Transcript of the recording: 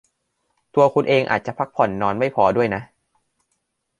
ตัวคุณเองอาจจะพักผ่อนนอนไม่พอด้วยนะ